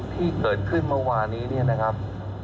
ที่เกิดขึ้นเมื่อวานี้นะครับ